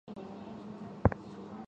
这些状况也可能自行缓解。